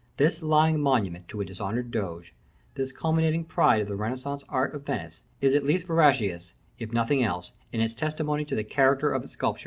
This lying monument to a dishonored doge, this culminating pride of the Renaissance art of Venice, is at least veracious, if in nothing else, in its testimony to the character of its sculptor.